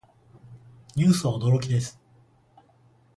ニュースは驚きです。